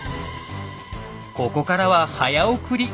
ここからは早送り。